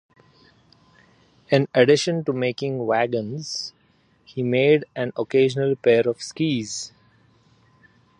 In addition to making wagons, he made an occasional pair of skis.